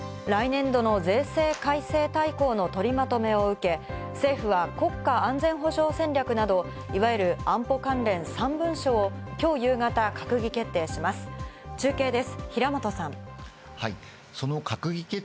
来年度の税制改正大綱の取りまとめを受け、政府は国家安全保障戦略など、いわゆる安保関連３文書を今日夕方、閣議決定します。